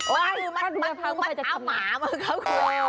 มัดมือมัดเท้ากลูกภัยมัดเท้าหมามัดเท้ากลูกภัย